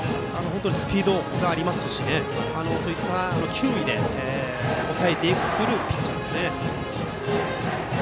スピードがありますしそういった球威で抑えてくるピッチャーですね。